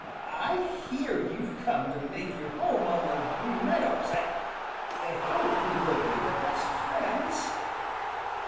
"I hear you've come to make your home on the Green Meadows. I I hope we will be the best of friends."